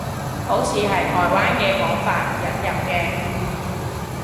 好似係台灣嘅講法，引入嘅